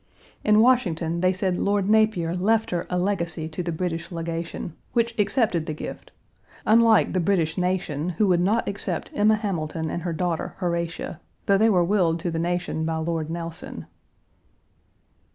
In Washington they said Lord Napier left her a legacy to the British Legation, which accepted the gift, unlike the British nation, who would not accept Emma Hamilton and her daughter, Horatia, though they were willed to the nation by Lord Nelson.